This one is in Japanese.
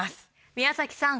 宮崎さん